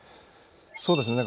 そうですね